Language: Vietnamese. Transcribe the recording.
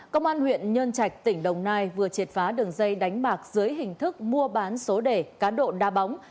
công an huyện nhân trạch tỉnh đồng nai vừa triệt phá đường dây đánh bạc dưới hình thức mua bán số đề cá độ đa bóng